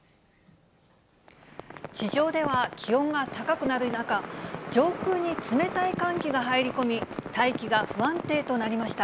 地上では気温が高くなる中、上空に冷たい寒気が入り込み、大気が不安定となりました。